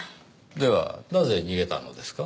ではなぜ逃げたのですか？